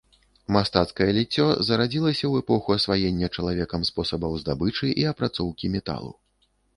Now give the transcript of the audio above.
Мастацкае ліццё зарадзілася ў эпоху асваення чалавекам спосабаў здабычы і апрацоўкі металу.